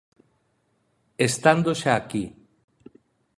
Estando xa aquí.